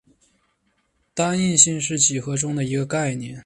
单应性是几何中的一个概念。